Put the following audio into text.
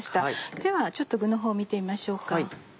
ではちょっと具のほうを見てみましょうか。